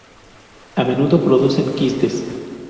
A menudo producen quistes.